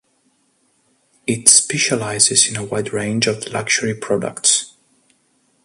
It specialises in a wide range of luxury products.